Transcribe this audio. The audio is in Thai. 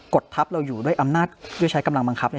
ดทัพเราอยู่ด้วยอำนาจด้วยใช้กำลังบังคับ